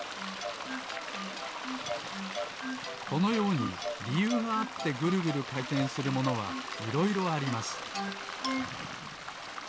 このようにりゆうがあってぐるぐるかいてんするものはいろいろあります。